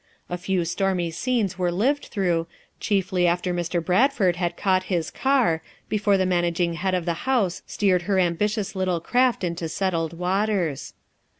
A few stormy scenes were lived through, chiefly after Mr. Bradford had caught his car, before the managing head of the house steered her ambi tious little craft into settled waters.